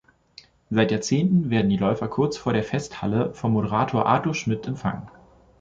Seit Jahrzehnten werden die Läufer kurz vor der Festhalle vom Moderator Artur Schmidt empfangen.